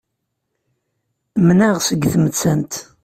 Menɛeɣ seg tmettant.